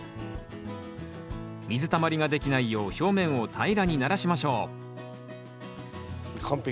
水たまりができないよう表面を平らにならしましょう完璧。